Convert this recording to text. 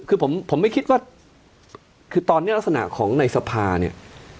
คือผมไม่คิดว่าคือตอนนี้ลักษณะของในสภาเนี่ย